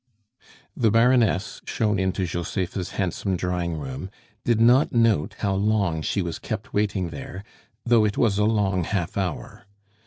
The Baroness, shown into Josepha's handsome drawing room, did not note how long she was kept waiting there, though it was a long half hour.